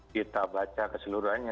kita baca keseluruhannya